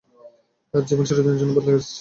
তার জীবন চিরদিনের জন্য বদলে যাচ্ছে।